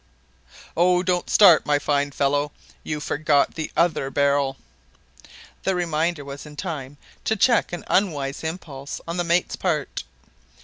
"Oh! don't start my fine fellow, you forget the other barrel!" The reminder was in time to check an unwise impulse on the mate's part.